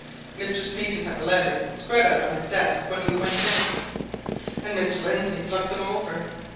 Mr. Smeaton had the letters spread out on his desk when we went in, and Mr. Lindsey looked them over.